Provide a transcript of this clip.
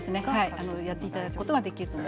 やっていただくことはできると思います。